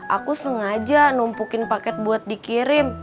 aku sengaja numpukin paket buat dikirim